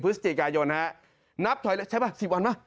เป็นทางการหนึ่งพฤศจิกายนนะฮะนับถอยใช้ป่ะสิบวันป่ะ